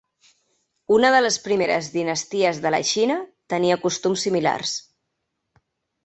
Una de les primeres dinasties de la Xina tenia costums similars.